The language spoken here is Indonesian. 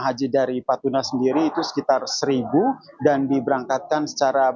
haji dari patuna sendiri itu sekitar seribu dan diberangkatkan secara